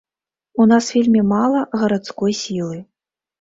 У нас вельмі мала гарадской сілы.